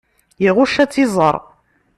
Iɣucc ad tt-iẓer.